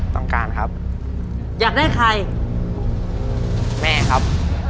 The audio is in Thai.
ต้องการครับอยากได้ใครแม่ครับ